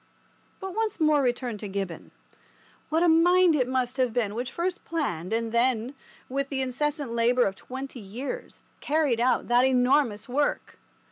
But once more to return to Gibbon. What a mind it must have been which first planned, and then, with the incessant labour of twenty years, carried out that enormous work!